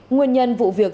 nguyên nhân vụ việc